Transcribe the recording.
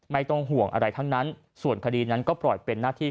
ไม่ต้องห่วงอะไรทั้งนั้นส่วนคดีนั้นก็ปล่อยเป็นหน้าที่